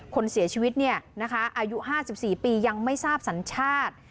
คนเสียชีวิตเนี่ยนะคะอายุห้าสิบสี่ปียังไม่ทราบสัญชาติ